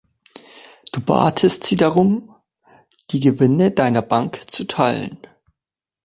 Du batest sie darum, die Gewinne deiner Bank zu teilen.